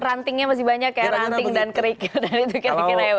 rantingnya masih banyak ya ranting dan kerikil